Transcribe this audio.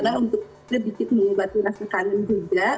karena untuk lebih lebih mengobati rasa kangen juga